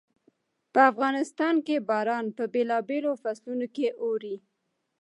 په افغانستان کې باران په بېلابېلو فصلونو کې اوري.